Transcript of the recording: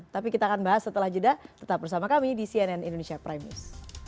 tapi kita akan bahas setelah jeda tetap bersama kami di cnn indonesia prime news